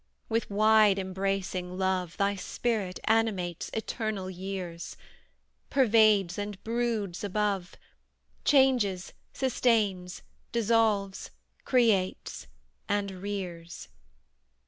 With wide embracing love Thy spirit animates eternal years, Pervades and broods above, Changes, sustains, dissolves, creates, and rears.